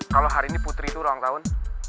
kalau hari ini putri itu ulang tahun